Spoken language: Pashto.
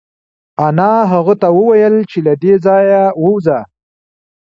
انا هغه ته وویل چې له دې ځایه ووځه.